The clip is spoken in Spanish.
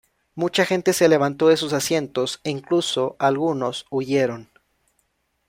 Mucha gente se levantó de sus asientos e incluso algunos huyeron.